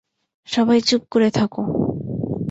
সবাই চুপ করে থাকো।